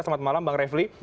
selamat malam bang reveli